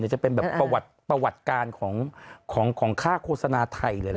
จะเป็นแบบประวัติการของค่าโฆษณาไทยเลยล่ะ